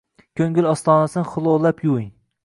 Ko’ngil ostonasin xlorlab yuving